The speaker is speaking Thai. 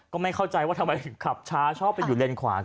ก็ไม่เข้าใจว่าทำไมขับช้าชอบไปอยู่เลนขวากัน